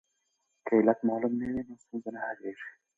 که علت معلوم نه وي نو ستونزه نه حلیږي.